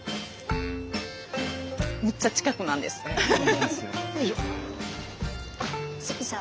めっちゃ近くなんですハハハ。